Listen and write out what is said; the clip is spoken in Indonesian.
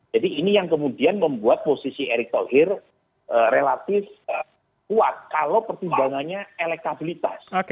jadi ini yang kemudian membuat posisi erick thohir relatif kuat kalau pertimbangannya elektabilitas